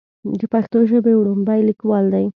د پښتو ژبې وړومبے ليکوال دی